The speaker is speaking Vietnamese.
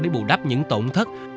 để bù đắp những tổn thất